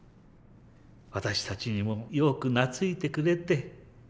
私たちにもよく懐いてくれて。